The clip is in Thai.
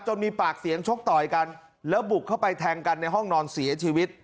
มีปากเสียงชกต่อยกันแล้วบุกเข้าไปแทงกันในห้องนอนเสียชีวิต